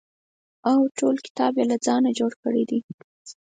او ټول کتاب یې له ځانه جوړ کړی دی.